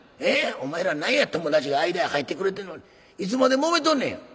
お前ら何や友達が間へ入ってくれてんのにいつまでもめとんねん。